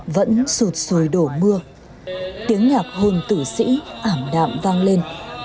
vẫn sụt xuồi đổ mưa tiếng nhạc hồn tử sĩ ảm đạm vang lên